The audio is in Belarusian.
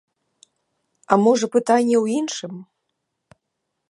А можа, пытанне ў іншым?